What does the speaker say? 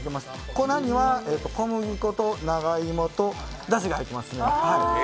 粉には小麦粉と長芋とだしが入ってますね。